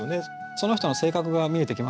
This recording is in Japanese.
その人の性格が見えてきますよね。